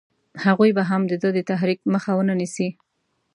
هغوی به هم د ده د تحریک مخه ونه نیسي.